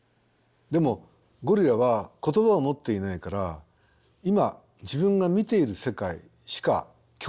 でもゴリラは言葉を持っていないから今自分が見ている世界しか共有できない。